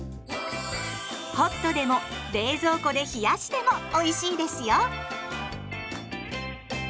ホットでも冷蔵庫で冷やしてもおいしいですよ！